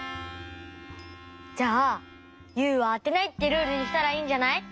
じゃあ「ユウはあてない」ってルールにしたらいいんじゃない？